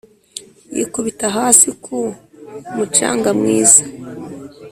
yikubita hasi ku mucanga mwiza